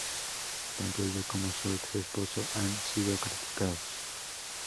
Tanto ella como su ex esposo han sido criticados.